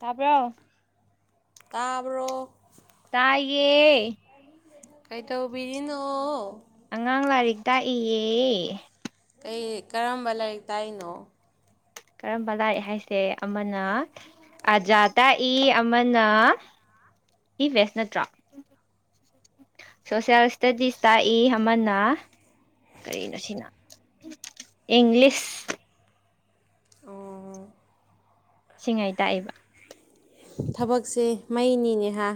ꯇꯄ ꯀꯥꯕ꯭ꯔꯣ ꯇꯥꯏꯌꯦ ꯑꯗꯨ ꯀꯩ ꯇꯧꯕꯤꯔꯤꯅ ꯑꯉꯥꯡ ꯂꯥꯏꯔꯤꯛ ꯇꯥꯛꯏꯌꯦ ꯀ ꯀꯔꯝꯕ ꯂꯥꯏꯔꯤꯛ ꯇꯥꯔꯤꯅꯣ ꯀꯔꯝꯕ ꯂꯥꯏꯔꯤꯛ ꯍꯥꯏꯁꯦ ꯑꯃꯅ ꯑꯖꯥ ꯇꯥꯛꯏ ꯑꯃꯅ ꯏꯚꯁ ꯅꯠꯇ꯭ꯔꯣ ꯁꯣꯁꯦꯜ ꯏꯁꯇꯗꯤꯁ ꯇꯥꯛꯏ ꯑꯃꯅ ꯀꯔꯤꯅꯣ ꯁꯤꯅ ꯏꯪꯂꯤꯁ ꯑꯣ ꯁꯤꯡꯉꯥꯏ ꯇꯥꯛꯏꯦꯕ ꯊꯕꯛꯁꯦ ꯃꯩꯅꯤꯅꯦꯍꯥ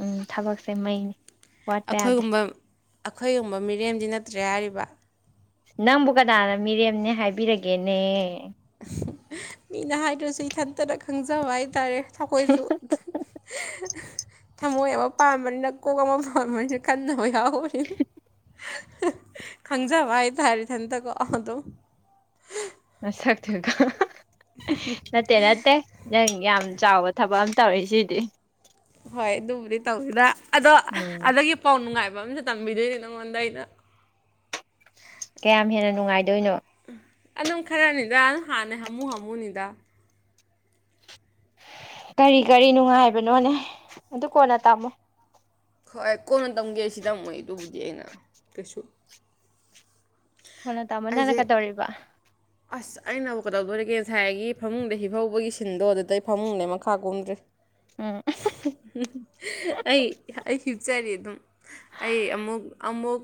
ꯎꯝ ꯊꯕꯛꯁꯦ ꯃꯩꯅꯦ ꯑꯩꯈꯣꯏꯒꯨꯝꯕ ꯑꯩꯈꯣꯏꯒꯨꯝꯕ ꯃꯤꯔꯦꯝꯗꯤ ꯅꯠꯇ꯭ꯔꯦ ꯍꯥꯏꯔꯤꯕ ꯅꯪꯕꯨ ꯀꯗꯥꯅ ꯃꯤꯔꯦꯝꯅꯦ ꯍꯥꯏꯕꯤꯔꯒꯦꯅꯦ ꯃꯤꯅ ꯍꯥꯏꯗ꯭ꯔꯁꯨ ꯏꯊꯟꯇꯅ ꯈꯪꯖꯕ ꯍꯥꯏ ꯇꯔꯦ ꯊꯀꯣꯏꯁꯨ ꯊꯝꯃꯣꯏ ꯑꯃ ꯄꯥꯟꯕꯅꯤꯅ ꯀꯣꯛ ꯑꯃ ꯄꯥꯟꯕꯥꯝꯕꯅꯤꯅ ꯀꯟꯅ ꯍ ꯌꯥꯎ [unintelligible] ꯈꯪꯖꯕ ꯍꯥꯏꯇꯥꯔꯤꯊꯟꯇꯀꯣ ꯑꯗꯨꯝ ꯑꯁꯥꯛꯇꯕꯒ ꯅꯠꯇꯦ ꯅꯠꯇꯦ ꯅꯪ ꯌꯥꯝ ꯆꯥꯎꯕ ꯊꯕꯛ ꯑꯃ ꯇꯧꯔꯦ ꯁꯤꯗꯤ ꯍꯣꯏ ꯑꯗꯨꯕꯨꯗꯤ ꯇꯧꯁꯤꯗ ꯑꯗꯣ ꯎꯝ ꯑꯗꯨꯗꯒꯤ ꯄꯥꯎ ꯅꯨꯡꯉꯥꯏꯕ ꯃ ꯑꯃꯁ ꯇꯝꯕꯤꯗꯣꯏꯅꯦ ꯅꯉꯣꯟꯗ ꯑꯩꯅ ꯀꯌꯥꯝ ꯍꯦꯟꯅ ꯅꯨꯡꯉꯥꯏꯗꯣꯏꯅꯣ ꯑꯗꯨꯝ ꯈꯔꯅꯤꯗ ꯍꯥꯟꯅ ꯍꯥꯃꯨ ꯍꯥꯃꯨꯅꯤꯗ ꯀꯔꯤ ꯀꯔꯤ ꯅꯨꯡꯉꯥꯏꯕꯅꯣꯅꯦ ꯑꯗꯨ ꯀꯣꯟꯅ ꯇꯥꯃꯣ ꯍꯣꯏ ꯀꯣꯟꯅ ꯇꯝꯒꯦ ꯁꯤ ꯇꯝꯃꯣꯏ ꯑꯗꯨꯕꯨꯗꯤ ꯑꯩꯅ ꯀꯩꯁꯨ ꯍꯣꯅ ꯇꯥꯃꯣ ꯅꯅ ꯑꯩꯁꯦ ꯀꯗꯧꯔꯤꯕ ꯑꯁ ꯑꯩꯅꯕꯨ ꯀꯩꯗꯧꯗꯣꯔꯤꯒꯦ ꯉꯁꯥꯏꯒꯤ ꯐꯃꯨꯡꯗ ꯍꯤꯐꯧꯕꯒꯤ ꯁꯤꯟꯗꯣ ꯑꯗꯨꯗꯩ ꯐꯃꯨꯡꯗꯩ ꯃꯈꯥ ꯀꯨꯝꯝꯗ꯭ꯔꯦ ꯎꯝ ꯑꯩ ꯑꯆꯔꯤ ꯑꯗꯨꯝ ꯑꯩ ꯑꯃꯨꯛ ꯑꯃꯨꯛ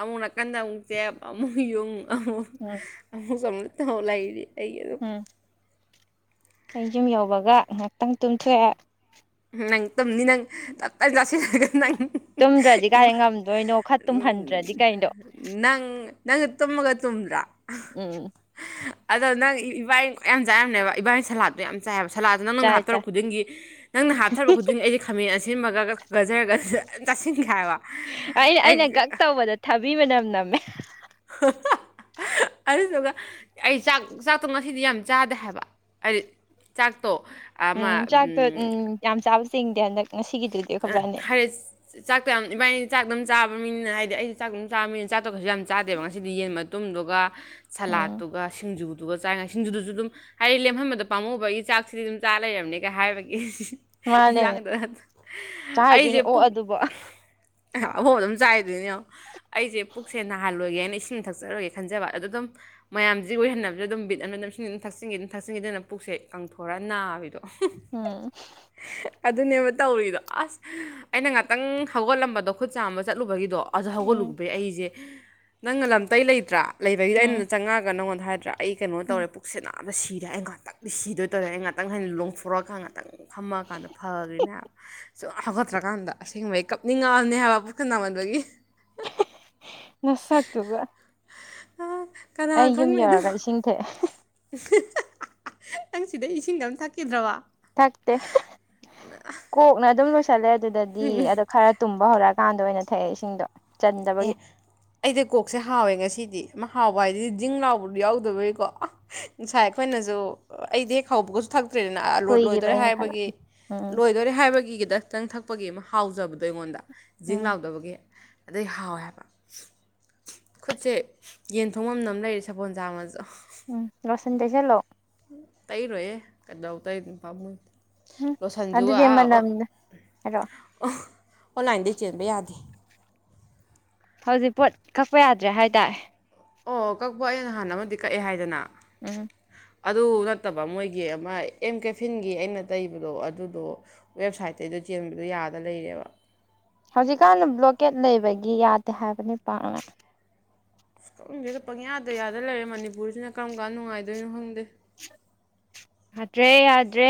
ꯑꯃꯨꯛ ꯅꯥꯀꯟꯗ ꯑꯃꯨꯛꯛꯇꯦ ꯑꯃꯌꯨꯡ ꯑ ꯎꯝ ꯑꯃꯨ ꯁꯝ ꯊꯧ ꯂꯔꯤ ꯑꯩ ꯑꯗꯨ ꯎꯝ ꯑꯩ ꯌꯨꯝ ꯌꯧꯕꯒ ꯉꯥꯏꯍꯥꯛꯇꯪ ꯇꯨꯝꯊꯣꯛꯑꯦ ꯅꯪ ꯇꯨꯝꯅꯤ ꯅꯪ ꯆꯁꯤ ꯅꯪ ꯇꯨꯝꯗ꯭ꯔꯗꯤ ꯏ ꯀꯥꯏꯗꯩ ꯉꯝꯗꯣꯏꯅꯣ ꯈꯔ ꯎꯝ ꯇꯨꯝꯍꯟꯗ꯭ꯔꯗꯤ ꯀꯩꯅꯣ ꯅꯪ ꯅꯪ ꯇꯒ ꯇꯨꯝ꯭ꯔꯥ ꯎꯝ ꯑꯗꯣ ꯅꯪ ꯏꯕꯥꯏ ꯌꯥꯝ ꯆꯥꯏꯔꯝꯃꯦꯅꯦꯕ ꯏꯕꯥꯏꯅꯤ ꯁꯂꯥꯗꯠꯇꯣ ꯌꯥꯝ ꯆꯥꯏꯑꯕ ꯁꯂꯥꯗꯅ ꯅꯪꯅ ꯆꯥꯏ ꯆꯥꯏ ꯍꯥꯞꯇꯣꯔꯔꯛ ꯈꯨꯗꯤꯡꯒꯤ ꯍꯥꯞꯊꯕ ꯈꯨꯗꯤꯅꯤ ꯑꯩꯦ ꯈꯝ ꯃꯤ ꯑꯁꯤ ꯑꯁꯤꯟꯕꯒ ꯀꯖꯔꯒ ꯇꯥꯁꯤꯟ ꯑ ꯑꯩꯅ ꯒꯛ ꯇꯧꯕꯗ ꯊꯥꯕꯤꯕꯅꯝ ꯅ [unintelligible] ꯑꯗꯨꯗꯨꯒ ꯑꯩ ꯆꯥꯛ ꯆꯥꯛꯇꯣ ꯉꯁꯤꯗꯤ ꯌꯥꯝ ꯆꯥꯗꯦ ꯍꯥꯏꯕ ꯍꯥꯏꯗꯤ ꯆꯥꯛ ꯎꯝ ꯆꯥꯒ ꯎꯝ ꯆꯁꯤꯡꯗꯤ ꯍꯟꯗꯛ ꯉꯁꯤꯒꯤꯗꯨꯗꯤ ꯑꯩꯈꯣꯏꯕꯥꯅꯤ ꯍꯥꯏꯔꯠ ꯆꯥꯛꯇ ꯌꯥꯝ ꯏꯕꯥꯏꯅꯤ ꯆꯥꯛ ꯑꯗꯨꯝ ꯆꯥꯕ ꯃꯤꯅꯤꯅ ꯍꯥꯏꯗꯤ ꯑꯩꯁꯨ ꯆꯥꯛ ꯑꯗꯨꯝ ꯆꯥꯕꯅꯤꯅ ꯆꯥꯗꯣꯛꯄꯁꯨ ꯌꯥꯝ ꯆꯥꯗꯦꯕ ꯉꯁꯤꯗꯤ ꯌꯦꯟ ꯃꯇꯨꯡꯗꯨꯒ ꯎꯝ ꯁꯂꯥꯗꯠꯇꯨꯒ ꯁꯤꯡꯖꯨꯗꯨꯒ ꯆꯥꯡꯉꯁꯤ ꯁꯤꯡꯗꯨꯗꯨꯁꯨ ꯑꯗꯨꯝ ꯍꯥꯏꯗꯤ ꯂꯦꯝꯍꯟꯕꯗ ꯄꯥꯝꯃꯕꯒꯤ ꯆꯥꯛꯁꯤꯗꯤ ꯑꯗꯨꯝ ꯆꯥ ꯂꯩꯔꯕꯅꯤꯒ ꯍꯥꯏꯕꯒꯤ ꯏꯟꯖꯥꯡ ꯑꯗꯨꯗꯅ ꯆ ꯍꯥꯏꯗꯣꯏꯅꯦ ꯑꯣ ꯑꯗꯨꯕꯨ ꯑꯐꯥꯎꯕ ꯑꯗꯨꯝ ꯆꯥꯏꯗꯣꯏꯅꯦ ꯑꯩꯁꯦ ꯄꯨꯛꯁꯦ ꯅꯥꯍꯜꯂꯣꯏꯒꯦꯅ ꯏꯁꯤꯡ ꯊꯛꯆꯔꯣꯏꯒꯦ ꯈꯟꯖꯕ ꯑꯗꯣ ꯑꯗꯨꯝ ꯃꯌꯥꯝꯁꯤ ꯑꯣꯏꯏꯍꯟꯅꯕꯗ ꯑꯗꯨꯝ ꯕꯤꯠ ꯑꯃ ꯑꯗꯨꯝꯁꯤꯡ ꯑꯗꯨꯝ ꯊꯛꯆꯤꯟꯈꯤ ꯑꯗꯨꯝ ꯊꯛꯆꯤꯟꯈꯤꯗꯅ ꯄꯨꯛꯁꯦ ꯀꯪꯊꯣꯔꯒ ꯅꯥꯕꯤꯗꯣ ꯎꯝ ꯑꯗꯨꯅꯦꯕ ꯇꯧꯔꯤꯗꯣ ꯑꯁ ꯑꯩꯅ ꯉꯥꯛꯇꯪ ꯍꯧꯒꯠꯂꯝꯕꯗꯣ ꯈꯨꯠ ꯆꯥꯝꯕ ꯆꯠꯂꯨꯕꯒꯤꯗꯣ ꯑꯗ ꯎꯝ ꯍꯧꯒꯠꯂꯨꯗꯣ ꯑꯩꯁꯦ ꯅꯪꯅ ꯂꯝꯇꯩ ꯂꯩꯇ꯭ꯔꯥ ꯂꯩꯕꯒꯤꯗ ꯑꯩꯅꯗ ꯎꯝ ꯆꯪꯉꯛꯑꯒ ꯅꯉꯣꯟꯗ ꯍꯥꯏꯗ꯭ꯔꯥ ꯑꯩ ꯀꯩꯅꯣ ꯎꯝ ꯇꯧꯔꯦ ꯄꯨꯛꯁꯤ ꯌꯥꯝꯇ ꯁꯤꯔꯦ ꯑꯩ ꯉꯥꯛꯇꯗꯤ ꯁꯤꯗꯣꯏ ꯇꯧꯔꯦ ꯑꯩ ꯉꯥꯛꯇꯪ ꯍꯥꯏꯅ ꯂꯣꯡꯊꯣꯔꯛꯑꯀꯥꯟ ꯉꯥꯛꯇꯪ ꯐꯝꯃꯑꯀꯥꯟꯗ ꯐꯈ꯭ꯔꯤꯅꯦꯕ ꯁꯨꯝ ꯍꯥꯒꯠꯇ꯭ꯔꯀꯥꯟꯗ ꯑꯁꯦꯡꯕꯩ ꯀꯞꯅꯤꯡꯉꯛꯑꯅꯤ ꯍꯥꯏꯕ ꯄꯨꯁꯅꯥꯃꯟꯕꯒꯤ ꯅꯁꯥꯛ ꯇꯨꯒꯥ ꯑ ꯀꯅꯥ ꯑꯩ ꯌꯨꯝ ꯈꯪꯅꯤ ꯑꯗꯨꯝ ꯌꯧꯔꯒ ꯏꯁꯤꯡ ꯊꯛꯑꯦ ꯅꯪ ꯁꯤꯗ ꯏꯁꯤꯡꯗ ꯑꯃ ꯊꯛꯈꯤꯗ꯭ꯔꯕ ꯊꯛꯇꯦ ꯀꯣꯛꯅ ꯑꯗꯨꯝ ꯂꯣꯏ ꯆꯠꯂꯦ ꯑꯗꯨꯗꯗꯤ ꯑꯗꯣ ꯈꯔ ꯇꯨꯝꯕ ꯍꯧꯔꯛꯑꯦ ꯀꯥꯟꯗ ꯑꯣꯏꯅ ꯊꯛꯑꯦ ꯏꯁꯤꯡꯗꯣ ꯆꯟꯗꯕꯒꯤ ꯑꯦ ꯑꯩꯗ ꯀꯣꯛꯁꯦ ꯍꯥꯎꯋꯦ ꯉꯁꯤꯗꯤ ꯍꯥꯎꯕ ꯍꯥꯏꯗꯤꯗꯤ ꯖꯤꯡ ꯂꯥꯎꯕꯗꯨ ꯌꯥꯎꯗꯕꯒꯤꯀꯣ ꯉꯁꯥꯏ ꯑꯩꯈꯣꯏꯅꯁꯨ ꯑꯩꯗꯤ ꯍꯦꯛ ꯍꯥꯎꯕꯒꯁꯨ ꯊꯛ ꯇꯔꯤꯅ ꯂꯣꯏꯗꯣꯔꯦ ꯀꯨꯏꯈꯤꯕ꯭ꯔꯥꯅ ꯈꯜꯂ ꯍꯥꯏꯕꯒꯤ ꯎꯝ ꯂꯣꯏꯗꯣꯔꯦ ꯍꯥꯏꯕꯒꯤ ꯈꯤꯇꯪ ꯈꯤꯇꯪ ꯑꯃ ꯍꯥꯎꯖꯕꯗꯣ ꯑꯩꯉꯣꯟꯗ ꯖꯤꯡ ꯎꯝ ꯂꯥꯎꯗꯕꯒꯤ ꯑꯗꯩ ꯍꯥꯎꯋꯦ ꯍꯥꯏꯕ ꯈꯨꯠꯁꯦ ꯌꯦꯟ ꯊꯣꯡꯉꯝ ꯑꯃ ꯂꯩꯔꯤ ꯁꯄꯣꯜ ꯆꯥꯡꯃꯁꯨ ꯎꯝ ꯔꯣꯁꯟ ꯇꯩꯁꯦꯂꯣ ꯇꯩꯔꯣꯏꯌꯦ ꯀꯩꯗꯧ ꯇꯩꯗꯅ ꯄꯥꯝꯃꯣꯏ ꯎꯝ ꯂꯣꯁꯟꯖꯨꯒ ꯑꯗꯨꯗꯤ ꯃꯅꯝꯗ ꯍꯥꯏꯔꯛꯑꯣ ꯑꯣꯟꯂꯥꯏꯟꯗꯒꯤ ꯆꯦꯟꯕ ꯌꯥꯗꯦ ꯍꯧꯖꯤꯛ ꯄꯣꯠ ꯀꯛꯄ ꯌꯥꯗ꯭ꯔꯦ ꯍꯥꯏ ꯇꯔꯦ ꯑꯣ ꯀꯛꯄ ꯑꯩ ꯅꯍꯥꯟ ꯑꯃꯗꯤ ꯀꯛꯑꯦ ꯍꯥꯏꯗꯅ ꯎꯝ ꯑꯗꯨ ꯅꯠꯇꯕ ꯃꯣꯏꯒꯤ ꯑꯃ ꯑꯦꯝ ꯀꯦꯐꯤꯟꯒꯤ ꯑꯩꯅ ꯇꯩꯕꯗꯣ ꯑꯗꯨꯗꯣ ꯋꯦꯕꯁꯥꯏꯠꯇꯩꯒꯤꯗꯣ ꯆꯦꯟꯕꯗꯣ ꯌꯥꯗ ꯂꯩꯔꯦꯕ ꯍꯧꯖꯤꯛꯀꯥꯟꯗ ꯕ꯭ꯂꯣꯀꯦꯠ ꯂꯩꯕꯒꯤ ꯌꯥꯗꯦ ꯍꯥꯏꯕꯅꯤ ꯄꯥ ꯈꯥꯡꯗꯦꯗ ꯄꯪꯌꯥꯗ ꯌꯥꯗ ꯂꯩꯔꯦ ꯃꯅꯤꯄꯨꯔꯁꯤꯅ ꯀꯔꯝ ꯀꯥꯟꯗ ꯅꯨꯡꯉꯥꯏꯗꯣꯏꯅꯣ ꯈꯪꯗꯦ ꯌꯥꯗ꯭ꯔꯦ ꯌꯥꯗ꯭ꯔꯦ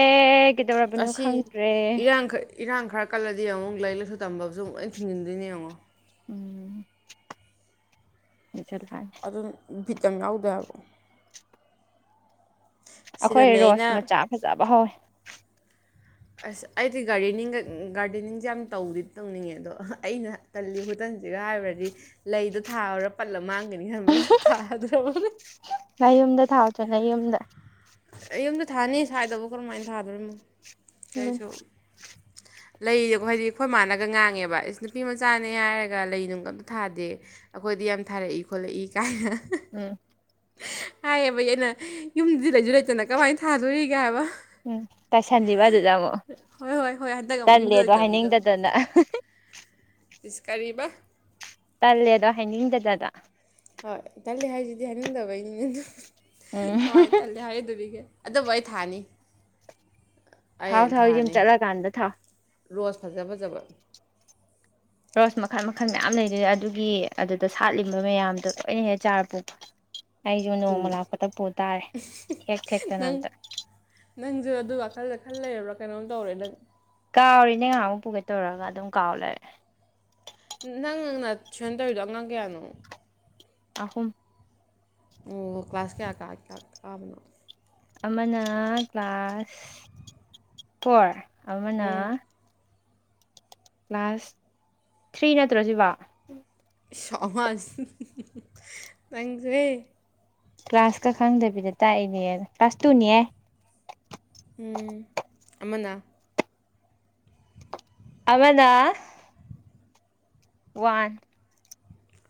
ꯀꯩꯗꯧꯔꯕꯅꯣ ꯑꯁꯤ ꯈꯪꯗ꯭ꯔꯦ ꯏꯔꯥꯡ ꯏꯔꯥꯡ ꯈꯔ ꯀꯜꯂꯗꯤ ꯌꯦꯡꯉꯪ ꯂꯥꯏꯛ ꯂꯥꯏꯁꯨ ꯇꯝꯕꯁꯨ ꯑꯃꯨꯛ ꯂꯣꯏ ꯊꯤꯡꯖꯤꯟꯗꯣꯏꯅꯦ ꯌꯦꯡꯉꯣ ꯎꯝ [unintelligible] ꯐꯤꯠꯇꯪ ꯌꯥꯎꯗꯦ ꯍꯥꯏꯕꯣ ꯑꯩꯈꯣꯏ ꯑꯩꯅ ꯔꯣꯁ ꯃꯆꯥ ꯐꯖꯕ ꯍꯧꯋꯦ ꯑꯁ ꯑꯩꯗꯤ ꯒꯥꯔꯗꯦꯅꯤꯡꯒ ꯒꯥꯔꯗꯦꯅꯤꯡꯁꯦ ꯌꯥꯝ ꯇꯧꯗꯤ ꯇꯧꯅꯤꯡꯉꯦ ꯑꯗꯣ ꯑꯩꯅ ꯇꯜꯂꯤ ꯈꯨꯇꯟꯁꯤꯒ ꯍꯥꯏꯔꯨꯔꯗꯤ ꯂꯩꯗꯣ ꯊꯥꯔꯔꯨ ꯄꯠꯂ ꯃꯥꯡ ꯅꯤ ꯊꯥꯗ ꯍ ꯅꯌꯨꯝꯗ ꯊꯥꯎꯗ ꯅꯌꯨꯝꯗ ꯊꯥꯏꯗꯕꯨ ꯀꯔꯝꯍꯥꯏꯅ ꯊꯗꯣꯔꯤꯅꯣ ꯎꯝ ꯀꯩꯁꯨ ꯂꯩꯗꯣ ꯍꯥꯏꯗꯤ ꯑꯩꯈꯣꯏ ꯃꯥꯅꯒ ꯉꯥꯡꯉꯦꯕ ꯑꯁ ꯅꯨꯄꯤ ꯃꯆꯥꯅꯦ ꯍꯥꯏꯔꯒ ꯂꯩ ꯅꯨꯡ ꯀꯝꯇ ꯊꯥꯗꯦ ꯑꯩꯈꯣꯏꯗꯤ ꯌꯥꯝ ꯊꯥꯔꯛꯏ ꯈꯣꯠꯂꯛꯏ ꯀꯥꯏꯅ ꯎꯝ ꯍꯥꯏꯌꯦꯕꯩ ꯑꯩꯅ ꯌꯨꯝꯗꯤ ꯂꯩꯁꯨ ꯂꯩ ꯐꯖꯅ ꯀꯃꯥꯏꯅ ꯊꯥꯗꯣꯔꯤꯒꯦ ꯍꯥꯏꯕ ꯎꯝ ꯇꯥꯏꯁꯜꯂꯤꯕ ꯑꯗꯨꯗ ꯑꯃꯨꯛ ꯍꯣꯏ ꯍꯣꯏ ꯍꯣꯏ ꯍꯟꯗꯛ ꯑꯃꯨꯛ ꯌꯨꯝꯗ ꯇꯜꯂꯦꯗꯣ ꯂꯩꯇꯕꯁꯤꯗ ꯑꯃꯨꯛ ꯍꯥꯏꯅꯤꯡꯗꯗꯅ ꯏꯁ ꯀꯔꯤꯕ ꯇꯜꯂꯦꯗꯣ ꯍꯥꯏꯅꯤꯡꯗꯗꯅ ꯍꯣꯏ ꯇꯜꯂꯦ ꯍꯥꯏꯁꯤꯗꯤ ꯍꯥꯏꯅꯤꯡꯗꯕꯩꯅꯤꯅꯦ ꯎꯝ ꯑꯗꯨ ꯀꯃꯥꯏꯅ ꯇꯜꯂꯦ ꯍꯥꯏꯗꯨꯔꯤꯒꯦ ꯑꯗꯨꯕꯨ ꯑꯩ ꯊꯥꯅꯤ ꯊꯥꯎ ꯑꯩ ꯊꯥꯎ ꯌꯨꯝ ꯊꯥꯅꯤ ꯆꯠꯂꯀꯥꯟꯗ ꯊꯥꯎ ꯔꯣꯁ ꯐꯖ ꯐꯖꯕ ꯔꯣꯁ ꯃꯈꯜ ꯃꯈꯜ ꯃꯌꯥꯝ ꯂꯩꯗꯨꯅ ꯑꯗꯨꯒꯤ ꯑꯗꯨꯗ ꯁꯥꯠꯂꯤꯕ ꯃꯌꯥꯝꯗꯣ ꯂꯣꯏꯅ ꯍꯦꯛ ꯆꯥꯔ ꯄꯨ ꯑꯩꯁꯨ ꯅꯣꯡꯃ ꯂꯥꯛꯄꯗ ꯄꯨ ꯇꯥꯔꯦ ꯊꯦꯛ ꯊꯦꯛꯇꯅ ꯅꯪ ꯑꯝꯇ ꯅꯪꯁꯨ ꯑꯗꯨꯒ ꯋꯥꯈꯜꯗ ꯈꯜ ꯂꯩꯔꯕ꯭ꯔꯥ ꯀꯩꯅꯣꯝ ꯇꯧꯔꯦ ꯅꯪ ꯀꯥꯎꯔꯤꯅꯦ ꯉꯥꯏꯍꯥꯛ ꯑꯃꯨꯛ ꯄꯨꯒꯦ ꯇꯧꯔꯒ ꯑꯗꯨꯝ ꯀꯥꯎ ꯂꯩꯔꯦ ꯅꯪ ꯅꯪꯅ ꯇꯨꯏꯁꯟ ꯇꯧꯔꯤꯗꯣ ꯑꯉꯥꯡ ꯀꯌꯥꯅꯣ ꯑꯍꯨꯝ ꯑꯣ ꯀ꯭ꯂꯥꯁ ꯀꯌꯥ ꯀ ꯀꯥꯕꯅꯣ ꯑꯃꯅ ꯀ꯭ꯂꯥꯁ ꯐꯣꯔ ꯑꯃꯅ ꯎꯝ ꯀ꯭ꯂꯥꯁ ꯊ꯭ꯔꯤ ꯅꯠꯇ꯭ꯔꯁꯤꯕꯨ ꯑꯉꯥꯡꯁꯤ ꯅꯪꯁꯦ ꯀ꯭ꯂꯥꯁꯀ ꯈꯪꯗꯕꯤꯗ ꯇꯥꯛꯏꯅꯦ ꯀ꯭ꯂꯥꯁ ꯇꯨꯅꯦ ꯍꯦ ꯑꯃꯅ ꯑꯃꯅ ꯋꯥꯟ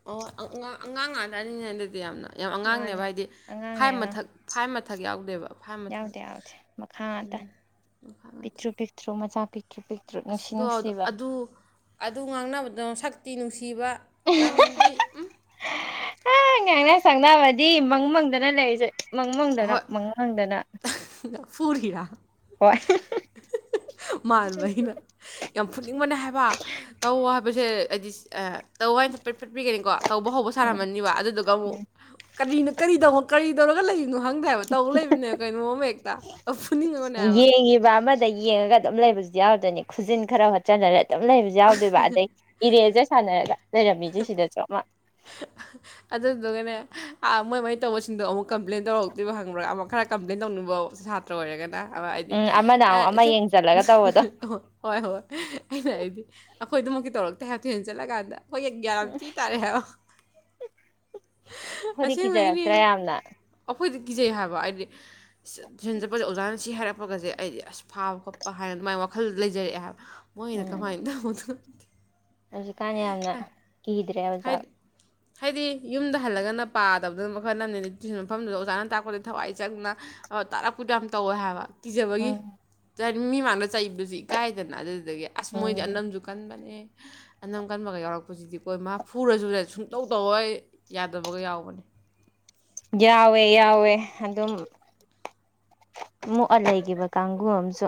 ꯑꯣ ꯑꯉꯥꯡ ꯉꯥꯛ ꯇꯅꯤꯅꯦ ꯑꯗꯨꯗꯤ ꯌꯥꯝꯅ ꯌꯥꯝ ꯃꯥꯅꯦ ꯑꯉꯥꯡꯅꯦꯕ ꯍꯥꯏꯗꯤ ꯑꯉꯥꯡꯅꯦ ꯐꯥꯏꯚ ꯑꯉꯥꯡ ꯃꯊꯛ ꯐꯥꯏꯚ ꯑꯊꯛ ꯌꯥꯎꯗꯦꯕ ꯐꯥꯏꯚ ꯃꯊꯛ ꯌꯥꯎꯗꯦ ꯌꯥꯎꯗꯦ ꯃꯈꯥ ꯉꯥꯛꯇꯥꯅꯦ ꯄꯤꯛꯇꯔꯨ ꯄꯤꯛꯇꯔꯨ ꯃꯆꯥ ꯄꯤꯛꯇ꯭ꯔꯨ ꯄꯤꯛꯇ꯭ꯔꯨ ꯅꯨꯡꯁꯤ ꯑꯁꯗꯣ ꯅꯨꯡꯁꯤꯕ ꯑꯗꯨ ꯑꯗꯨ ꯉꯥꯡꯅꯕꯗꯣ ꯁꯛ ꯇꯤꯅꯨ ꯊꯤꯕ ꯂꯝꯗꯤ ꯎꯝ ꯉꯥꯡꯅ ꯁꯪꯅꯕꯗꯤ ꯃꯪ ꯃꯪꯗꯅ ꯂꯩꯔꯤꯁꯦ ꯃꯪ ꯃꯪꯗꯅ ꯍꯣꯏ ꯃꯪ ꯃꯪꯗꯅ ꯐꯨꯔꯤꯔꯥ ꯃꯥꯟꯕ ꯑꯩꯅ ꯌꯥꯝ ꯐꯨꯅꯤꯡꯕꯅꯦ ꯍꯥꯏꯕ ꯇꯧ ꯍꯥꯏꯕꯁꯦ ꯍꯥꯏꯗꯤ ꯇꯧ ꯍꯥꯏꯕꯗꯣ ꯄꯔ꯭ꯦꯛꯄꯤꯒꯅꯤꯀꯣ ꯇꯧꯕ ꯍꯧꯕ ꯎꯝ ꯁꯥꯔꯝꯃꯅꯤꯕ ꯑꯗꯨꯗꯨꯒ ꯑꯃꯨꯛ ꯀꯔꯤꯅ ꯀꯔꯤꯗꯧ ꯀꯔꯤ ꯇꯧꯔꯒ ꯂꯩ ꯑꯗꯨ ꯍꯪꯗꯦ ꯍꯥꯏꯕ ꯇꯧ ꯂꯩꯕꯅꯦ ꯀꯩꯅꯣꯝ ꯑꯃ ꯑꯐꯨꯅꯤꯡ ꯉꯥꯕꯅꯦꯕ ꯌꯦꯡꯉꯤꯕ ꯑꯃꯗ ꯌꯦꯡꯉꯒ ꯑꯗꯨꯝ ꯂꯩꯕꯁꯨ ꯌꯥꯎꯗꯣꯏꯅꯤ ꯈꯨꯖꯤꯟ ꯈꯔ ꯍꯣꯠꯆꯜꯅꯔꯦ ꯑꯗꯨꯝ ꯂꯩꯕꯁꯨ ꯌꯥꯎꯗꯣꯏꯕ ꯑꯗꯩ ꯏꯔꯦꯖꯩ ꯁꯥꯟꯅꯔꯒ ꯂꯩꯔꯝꯃꯤꯁꯦ ꯁꯤꯗꯁꯨ ꯑꯃ ꯑꯗꯨꯗꯨꯒꯅꯦ ꯃꯣꯏ ꯃꯣꯏ ꯇꯧꯕꯁꯤꯡꯗꯣ ꯑꯃꯨꯛ ꯀꯝꯄ꯭ꯂꯦꯟ ꯇꯧꯔꯛꯇ꯭ꯔꯤꯕ ꯈꯪꯕ꯭ꯔꯥ ꯑꯃꯨꯛ ꯈꯔ ꯀꯝꯄ꯭ꯂꯦꯟ ꯇꯧꯅꯤꯡꯕ ꯁꯥꯇ꯭ꯔ ꯑꯣꯏꯔꯒꯅ ꯑ ꯍꯥꯏꯗꯤ ꯎꯝ ꯑꯃꯅ ꯑꯃꯨꯛ ꯑꯃ ꯏꯆꯦ ꯌꯦꯡꯁꯤꯜꯂꯒ ꯇꯧꯕꯗꯣ ꯍꯣꯏ ꯍꯣꯏ ꯑꯩꯅ ꯍꯥꯏꯗꯤ ꯑꯩꯈꯣꯏꯗꯨꯃꯛꯀꯤ ꯇꯧꯔꯛꯇꯦ ꯍꯥꯏꯕ ꯊꯣꯏꯅ ꯆꯠꯂꯀꯥꯟꯗ ꯍꯣꯏ ꯒꯌ꯭ꯥꯟ ꯭ ꯊꯤ ꯇꯥꯔꯛꯏ ꯍꯥꯏꯕ ꯍꯣꯏꯗꯤ ꯑꯁꯦꯡꯕꯩꯅꯦ ꯀꯤꯖꯔꯛꯇ꯭ꯔꯥ ꯌꯥꯝꯅ ꯑꯩꯈꯣꯏꯗꯤ ꯀꯤꯖꯩ ꯍꯥꯏꯕ ꯍꯥꯏꯗꯤ ꯇꯨꯏꯁꯤꯟ ꯆꯠꯄꯗ ꯑꯣꯖꯥꯅꯁꯤ ꯍꯥꯏꯔꯛ ꯈꯣꯠꯄꯒꯁꯦ ꯑꯩꯗꯤ ꯑꯁ ꯐꯥꯕ ꯈꯣꯠꯄ ꯍꯥꯏꯅ ꯑꯗꯨꯃꯥꯏꯅ ꯋꯥꯈꯜ ꯂꯩꯖꯔꯛꯑꯦ ꯍꯥꯏꯕ ꯃꯣꯏꯅ ꯎꯝ ꯀꯃꯥꯏꯅ ꯇꯧꯕꯗꯣ ꯍꯧꯖꯤꯛꯀꯥꯟꯅ ꯌꯥꯝꯅ ꯀꯤꯗ꯭ꯔꯦ ꯑꯣꯖꯥ ꯍꯥꯏꯗꯤ ꯍꯥꯏꯗꯤ ꯌꯨꯝꯗ ꯍꯜꯂꯒꯅ ꯄꯥꯗꯕꯗꯨꯅ ꯃꯈꯜ ꯑꯃꯅꯦ ꯇꯨꯁꯟ ꯃꯐꯝꯗꯨꯗ ꯑꯣꯖꯥꯅ ꯇꯥꯛꯄꯗꯗꯤ ꯊꯋꯥꯏ ꯆꯪꯅ ꯇꯥꯔꯛꯄꯗꯣ ꯌꯥꯝ ꯇꯧꯋꯦ ꯍꯥꯏꯕ ꯀꯤꯖꯕꯒꯤ ꯎꯝ ꯃꯤ ꯃꯥꯡꯗ ꯆꯩꯕꯁꯤ ꯏꯀꯥꯏꯗꯅ ꯑꯗꯨ ꯑꯗꯒꯤ ꯑꯁ ꯃꯣꯏꯗꯤ ꯎꯝ ꯑꯅꯝꯁꯨ ꯀꯟꯕꯅꯦ ꯑꯅꯝ ꯀꯟꯕꯒ ꯌꯥꯎꯔꯛꯄꯁꯤꯗꯤꯀꯣ ꯏꯃꯥ ꯐꯨꯔꯁꯨ ꯁꯨꯡ ꯁꯨꯡ ꯇꯧ ꯇꯧꯑꯣ ꯌꯥꯗꯕꯒ ꯌꯥꯎꯕꯅꯤ ꯌꯥꯎꯋꯦ ꯌꯥꯎꯋꯦ ꯑꯗꯨꯝ ꯑꯃ ꯃꯨꯛꯑ ꯂꯩꯈꯤꯕ ꯀꯥꯡꯕꯨꯨ ꯑꯃꯁꯨ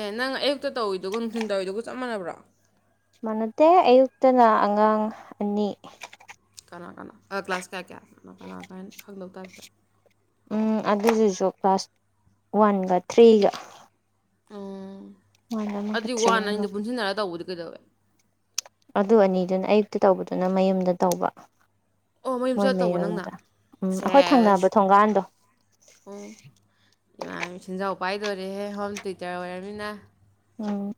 ꯑꯦ ꯅꯪ ꯑꯌꯨꯛꯇ ꯇꯧꯏꯗꯨꯒ ꯅꯨꯡꯊꯤꯟ ꯇꯧꯋꯏꯗꯨꯒ ꯆꯞ ꯃꯥꯟꯅꯕ꯭ꯔꯣ ꯃꯟꯅꯥꯗꯦ ꯑꯌꯨꯛꯇꯅ ꯑꯉꯥꯡ ꯑꯅꯤ ꯀꯅꯥ ꯀꯅꯥ ꯑ ꯀ꯭ꯂꯥꯁ ꯀꯌꯥ ꯀꯌꯥ ꯃꯈꯅꯥ ꯀ ꯀꯥꯏꯅ ꯈꯪꯗꯧ ꯇꯥ ꯎꯝ ꯑꯗꯨꯗꯨꯁꯨ ꯀ꯭ꯂꯥꯁ ꯋꯥꯟꯒ ꯊ꯭ꯔꯤꯒ ꯎꯝ ꯋꯥꯟ ꯑꯃꯒ ꯑꯗꯨ ꯊ꯭ꯔꯤ ꯋꯥꯟ ꯑꯃꯒ ꯑꯅꯤꯗꯣ ꯄꯨꯟꯁꯤꯟꯅꯔꯒ ꯇꯧꯕꯗꯤ ꯀꯩꯗꯧꯋꯦ ꯑꯗꯨ ꯑꯅꯤꯗꯨꯅ ꯑꯌꯨꯛꯇ ꯇꯧꯕꯗꯨꯅ ꯃꯌꯨꯝꯗ ꯇꯧꯕ ꯑꯣ ꯃꯌꯨꯝ ꯃꯣꯏ ꯆꯠ ꯇꯧꯕ ꯅꯪꯅ ꯃꯌꯨꯝꯗ ꯎꯝ ꯑꯩꯈꯣꯏ ꯁꯦꯁ ꯊꯪꯅꯕ ꯊꯣꯡꯒꯥꯟꯗꯣ ꯑꯣ ꯏꯃꯥ ꯁꯦꯟꯖꯥꯎ ꯄꯥꯏꯗꯣꯏꯔꯦꯍꯦ ꯍꯣꯝ ꯇꯨꯏꯇꯔ ꯑꯣꯏꯔꯃꯤꯅ ꯎꯝ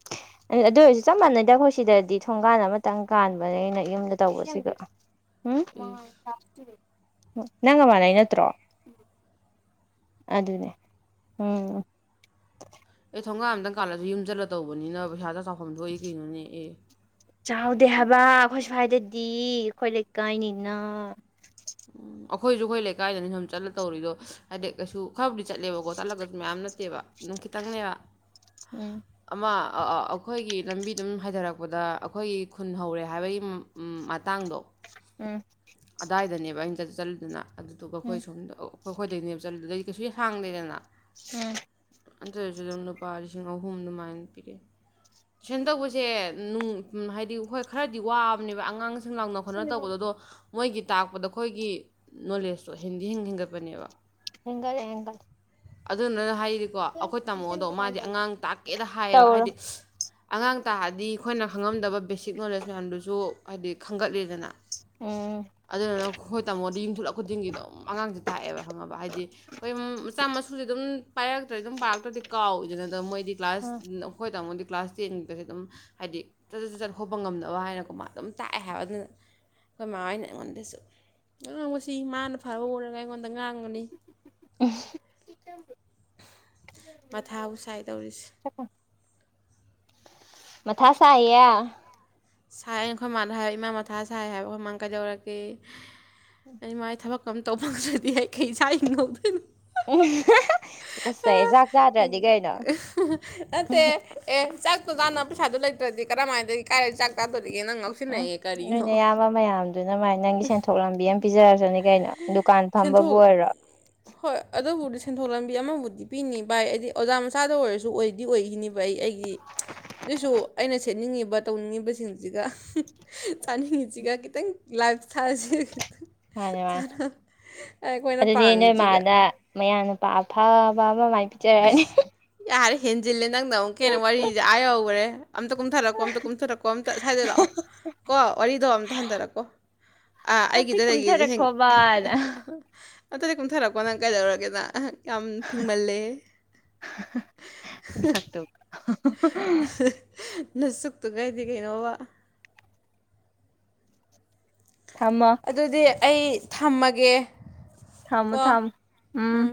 ꯑꯗꯨ ꯑꯣꯏꯔꯁꯨ ꯆꯞ ꯃꯥꯟꯅꯩꯗ ꯑꯩꯈꯣꯏ ꯁꯤꯗꯗꯤ ꯊꯣꯡꯒꯥꯟ ꯑꯃꯇꯪ ꯀꯥꯟꯕꯅꯦ ꯑꯩꯅ ꯌꯨꯝꯗ ꯇꯧꯕꯁꯤꯒ ꯎꯝ ꯏꯁ ꯎ ꯅꯪꯒ ꯃꯅꯩ ꯅꯠꯇ꯭ꯔꯣ ꯑꯗꯨꯅꯦ ꯎꯝ ꯑꯩ ꯊꯣꯡꯒꯥꯝ ꯀꯥꯂꯁꯨ ꯌꯨꯝ ꯆꯠꯂ ꯇꯧꯕꯅꯤꯅ ꯄꯩꯁꯥꯗ ꯐꯣꯝꯗꯣꯛꯏ ꯀꯩꯅꯣꯅꯦ ꯑꯦ ꯆꯥꯎꯗꯦ ꯍꯥꯏꯕ ꯑꯩꯈꯣꯏ ꯁ꯭ꯋꯥꯏꯗꯗꯤ ꯑꯩꯈꯣꯏ ꯂꯩꯀꯥꯏꯅꯤꯅ ꯑꯩꯈꯣꯏꯁꯨ ꯑꯩꯈꯣꯏ ꯂꯩꯀꯥꯏꯗꯅꯤ ꯁꯨꯝ ꯆꯠꯂ ꯇꯧꯔꯤꯗꯣ ꯍꯥꯏꯗꯤ ꯀꯩꯁꯨ ꯈꯔꯕꯨꯗꯤ ꯆꯠꯂꯦꯕꯀꯣ ꯆꯠꯂꯒꯁꯨ ꯃꯌꯥꯝ ꯅꯠꯇꯦꯕ ꯑꯗꯨꯝ ꯈꯤꯇꯪꯅꯦꯕ ꯎꯝ ꯑꯃ ꯑꯩꯈꯣꯏꯒꯤ ꯂꯝꯕꯤꯗꯨꯝ ꯍꯥꯏꯊꯔꯛꯄꯗ ꯑꯩꯈꯣꯏꯒꯤ ꯈꯨꯟ ꯍꯧꯔꯦ ꯍꯥꯏꯕꯒꯤ ꯃꯇꯥꯡꯗꯣ ꯎꯝ ꯀꯗꯥꯏꯗꯅꯦꯕ ꯑꯩꯅ ꯆꯠ ꯆꯠꯂꯤꯗꯨꯅ ꯑꯗꯨꯗꯨꯒ ꯑꯩꯈꯣꯏ ꯎꯝ ꯁꯣꯝꯗ ꯑꯣ ꯑꯩꯈꯣꯏ ꯑꯩꯈꯣꯏꯗꯅꯦꯕ ꯆꯠꯂꯨꯗꯗꯤ ꯀꯩꯁꯨ ꯁꯥꯡꯗꯦꯗꯅ ꯎꯝ ꯑꯟꯇꯔꯁꯨ ꯑꯗꯨꯝ ꯂꯨꯄꯥ ꯂꯤꯁꯤꯡ ꯑꯍꯨꯝ ꯑꯗꯨꯃꯥꯏꯅ ꯄꯤꯔꯛꯑꯦ ꯇꯨꯏꯁꯟ ꯇꯧꯕꯁꯦ ꯍꯥꯏꯗꯤ ꯍꯣꯏ ꯈꯔꯗꯤ ꯋꯥꯕꯅꯦꯕ ꯑꯉꯥꯡ ꯁꯤꯡ ꯂꯥꯡꯅ ꯈꯣꯠꯅ ꯇꯧꯕꯗ ꯑꯗꯣ ꯃꯣꯏꯒꯤ ꯇꯥꯛꯄꯗ ꯑꯩꯈꯣꯏꯒꯤ ꯅꯣꯂꯦꯖꯇꯣ ꯍꯦꯟꯗꯤ ꯍꯦꯟ ꯍꯦꯟꯒꯠꯄꯅꯦꯕ ꯍꯦꯟꯒꯠꯂꯦ ꯍꯦꯟꯖꯠꯂꯦ ꯑꯗꯨꯅꯅ ꯍꯥꯏ ꯍꯥꯏꯗꯤꯀꯣ ꯑꯩꯈꯣꯏ ꯇꯥꯝꯃꯣꯗꯣ ꯃꯥꯗꯤ ꯑꯉꯥꯡ ꯇꯥꯛꯀꯦꯗ ꯍꯥꯏꯌꯦꯕ ꯇꯧꯔꯣ ꯍꯥꯏꯗꯤ ꯑꯉꯥꯡ ꯇꯥꯛꯑꯗꯤ ꯑꯩꯈꯣꯏꯅ ꯈꯪꯉꯝꯗꯕ ꯕꯦꯁꯤꯛ ꯅꯣꯂꯦꯖ ꯃꯌꯥꯝꯗꯨꯁꯨ ꯍꯥꯏꯗꯤ ꯈꯟꯒꯠꯂꯤꯗꯅ ꯎꯝ ꯑꯗꯨꯗꯨꯅ ꯑꯩꯈꯣꯏ ꯇꯥꯃꯣꯗꯤ ꯌꯨꯝꯊꯣꯛꯂꯛ ꯈꯨꯗꯤꯡꯒꯤ ꯑꯗꯨꯝ ꯑꯉꯥꯡꯁꯦ ꯇꯥꯛꯑꯦꯕ ꯈꯪꯉꯕ ꯍꯥꯏꯗꯤ ꯑꯩꯈꯣꯏ ꯃꯆꯥ ꯃꯁꯨꯁꯦ ꯑꯗꯨꯝ ꯄꯥꯏꯔꯛꯇ꯭ꯔꯗꯤ ꯑꯗꯨꯝ ꯄꯥꯔꯛꯇ꯭ꯔꯗꯤ ꯀꯥꯎꯏꯗꯅ ꯑꯗꯨꯝ ꯃꯣꯏꯗꯤ ꯀ꯭ꯂꯥꯁ ꯑꯩꯈꯣꯏ ꯇꯥꯃꯣꯗꯤ ꯀ꯭ꯂꯥꯁ ꯇꯦꯟꯒꯤꯗꯁꯨ ꯑꯗꯨꯝ ꯍꯥꯏꯗꯤ ꯆꯠꯖꯠ ꯆꯠꯖꯠ ꯈꯣꯠꯄ ꯉꯝꯅꯕ ꯍꯥꯏꯅꯀꯣ ꯃꯥ ꯑꯗꯨꯝ ꯇꯥꯛꯑꯦ ꯍꯥꯏꯕ ꯑꯗꯨꯅ ꯑꯩꯈꯣꯏ ꯃꯥꯃꯅ [unintelligible] ꯁꯤ ꯃꯥꯅ ꯐꯕ ꯎꯔꯒ ꯑꯩꯉꯣꯟꯗ ꯉꯥꯡꯒꯅꯤ ꯃꯊꯥꯕꯨ ꯁꯥꯏ ꯇꯧꯔꯤꯁꯦ ꯃꯊꯥꯥꯁꯥꯏꯌꯦ ꯁꯥꯏ ꯑꯩꯈꯣꯏ ꯃꯥꯗ ꯍꯥꯏꯕ ꯏꯃꯥ ꯃꯊꯥ ꯁꯥꯏ ꯍꯥꯏꯕ ꯑꯩꯈꯣꯏ ꯃꯥꯥꯅ ꯀꯩꯗꯧꯔꯛꯒꯦ ꯑꯩ ꯏꯃꯥꯏ ꯊꯕꯛꯀꯝ ꯇꯧ ꯐꯪꯗ꯭ꯔꯗꯤ ꯑꯩ ꯀꯩ ꯆꯔꯥ ꯍꯤꯡꯍꯧꯗꯨꯏꯅꯣ ꯎꯝ ꯇꯨꯒꯠꯆꯩꯍꯦ ꯆꯥꯛ ꯆꯥꯗ꯭ꯔꯗꯤ ꯀꯩꯅꯣ ꯖꯥꯅ ꯄꯩꯁꯥꯗꯨꯣ ꯂꯩꯇ꯭ꯔꯗꯤ ꯀꯔꯝꯃꯥꯏꯗꯩꯩ ꯆꯥꯛꯇꯣ ꯗꯨꯏꯅꯣ ꯎꯝ ꯅꯣꯏ ꯅꯌꯥꯝꯕ ꯃꯌꯥꯝꯗꯨꯅ ꯃꯥꯏ ꯅꯪꯒꯤ ꯁꯦꯟꯊꯣꯛ ꯂꯝꯕꯤ ꯑꯃ ꯄꯤꯖꯔꯁꯨꯅꯦ ꯀꯩꯅꯣ ꯗꯨꯀꯥꯟ ꯐꯝꯕꯕꯨ ꯁꯦꯟꯊꯣꯛ ꯑꯣꯏꯔꯣ ꯊꯣꯛꯂꯝꯕꯤ ꯑꯃꯕꯨꯗꯤ ꯄꯤꯅꯤꯡꯕ ꯚꯥꯏ ꯍꯥꯏꯗꯤ ꯑꯣꯖꯥ ꯃꯆꯥꯗ ꯑꯣꯏꯔꯁꯨ ꯑꯣꯏꯗꯤ ꯑꯣꯏꯈꯤꯅꯦꯕ ꯑꯩ ꯑꯩꯒꯤ ꯑꯗꯨꯏꯁꯨ ꯑꯩꯅ ꯁꯦꯠꯅꯤꯡꯉꯤꯕ ꯇꯧꯅꯤꯡꯉꯤꯕꯁꯤꯡꯁꯤꯒ ꯆꯥꯅꯤꯡꯉꯤꯁꯤꯒ ꯈꯤꯇꯪ ꯂꯥꯏꯐ ꯁꯇꯥꯏꯜ ꯃꯥꯅꯦ ꯃꯥꯅꯤ ꯑꯩꯈꯣꯏꯅ ꯑꯗꯨꯗꯤ ꯅꯣꯏ ꯄꯥꯝꯃꯤꯁꯤꯒ ꯃꯅꯥ ꯃꯌꯥꯅꯨ ꯄ ꯑꯐꯕ ꯑꯃ ꯃꯥꯏ ꯄꯤꯖꯔꯛꯅꯤ ꯌꯥꯔꯦ ꯍꯦꯟꯖꯤꯜꯂꯦ ꯅꯪꯅ ꯑꯃꯨꯛꯀꯦꯟꯅ ꯋꯥꯔꯤꯁꯦ ꯑꯥ ꯌꯧꯈ꯭ꯔꯦ ꯑꯝꯊ ꯀꯨꯝꯊꯔꯛꯄꯣ ꯑꯝꯇ ꯀꯨꯝꯊꯔꯛꯄꯣ ꯑꯝꯇ ꯁ꯭ꯋꯥꯏꯗ ꯂꯥꯛꯑꯣ ꯀꯣ ꯋꯥꯔꯤꯗꯣ ꯑꯝꯇ ꯍꯟꯊꯔꯛꯀꯣ ꯑꯥ ꯑꯝꯇ ꯑꯩꯒꯤꯗ ꯂꯩꯒꯁꯦ ꯍ ꯀꯨꯝꯊꯔꯛꯈꯣꯕꯅ ꯑꯗꯨꯗꯤ ꯀꯨꯝꯊꯔꯛꯄꯣ ꯅꯪ ꯀꯩꯗꯧꯔꯒꯦ ꯅꯪ ꯌꯥꯝ ꯐꯤꯡꯃꯜꯂꯦꯍꯦ ꯃꯁꯛꯇꯨ [inaudible] ꯅꯪ ꯁꯛꯇꯨꯒ ꯍꯥꯏꯗꯤ ꯀꯩꯅꯣꯕ ꯊꯝꯃꯣ ꯑꯗꯨꯗꯤ ꯑꯩ ꯊꯝꯃꯒꯦ ꯊꯝꯃꯣ ꯀꯣ ꯊꯝꯃꯣ ꯎꯝ